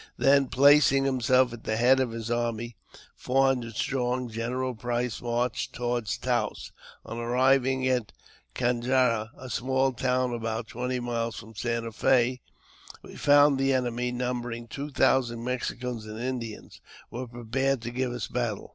Then, placing himself at the head of hi army, four hundred strong, General Price marched towa Taos. On arriving at Canjarra, a small town about twent; miles from Santa Fe, we found the enemy, numbering tw^ thousand Mexicans and Indians, were prepared to give iv battle.